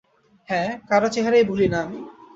হ্যাঁ, কারো চেহারাই ভুলি না আমি।